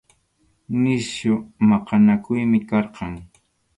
Nisyu maqanakuymi karqan.